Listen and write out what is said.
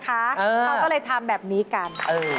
เขาก็เลยทำแบบนี้กัน